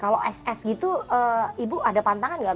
kalau ss gitu ibu ada pantangan nggak